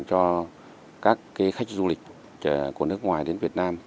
cho các khách du lịch của nước ngoài đến việt nam